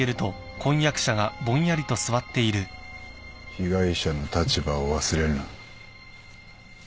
被害者の立場を忘れるな。